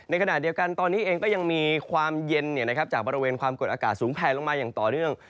ในขณะเดียวกันตอนนี้เองก็ยังมีความเย็นจากบริเวณความกดอากาศสูงแผลลงมาอย่างต่อเนื่อง